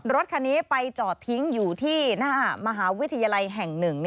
รถคันนี้ไปจอดทิ้งอยู่ที่หน้ามหาวิทยาลัยแห่ง๑